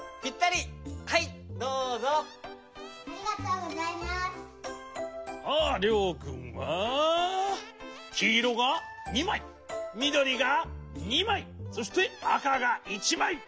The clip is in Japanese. りょうくんはきいろが２まいみどりが２まいそしてあかが１まい。